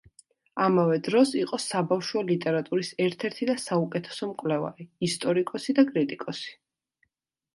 ამავე დროს იყო საბავშვო ლიტერატურის ერთ-ერთი და საუკეთესო მკვლევარი, ისტორიკოსი და კრიტიკოსი.